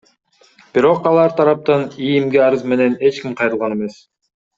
Бирок алар тараптан ИИМге арыз менен эч ким кайрылган эмес.